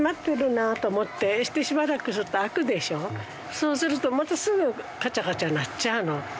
そうするとまたすぐカチャカチャ鳴っちゃうの。